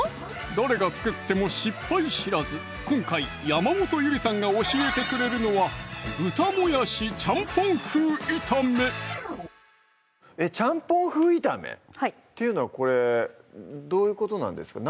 誰が作っても失敗知らず今回山本ゆりさんが教えてくれるのは「ちゃんぽん風炒め」っていうのはこれどういうことなんですか？